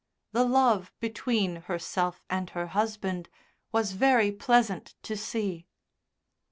The love between herself and her husband was very pleasant to see.